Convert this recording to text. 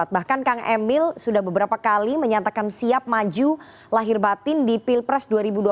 bahkan kang emil sudah beberapa kali menyatakan siap maju lahir batin di pilpres dua ribu dua puluh